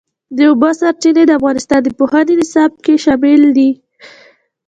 د اوبو سرچینې د افغانستان د پوهنې نصاب کې شامل دي.